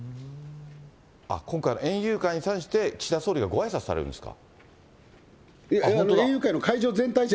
あっ、今回の園遊会に際して、岸田総理がごあいさつされるんですか。